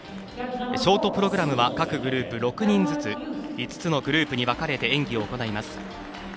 ショートプログラムは各グループ６人ずつ５つのグループに分かれて演技を行います。